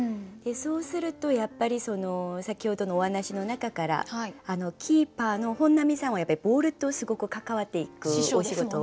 そうするとやっぱり先ほどのお話の中からキーパーの本並さんはやっぱりボールとすごく関わっていくお仕事。